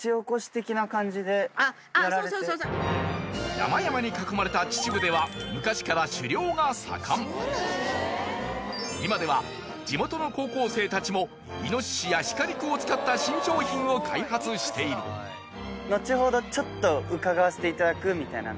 山々に囲まれた秩父では昔から狩猟が盛ん今では地元の高校生たちもイノシシや鹿肉を使った新商品を開発しているいいですか？